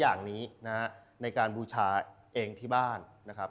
๔อย่างนี้ในการบูชาเองที่บ้าน